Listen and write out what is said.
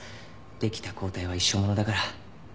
できた抗体は一生ものだから。